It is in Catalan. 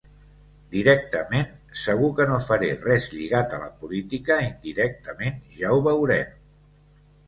Directament, segur que no faré res lligat a la política; indirectament, ja ho veurem.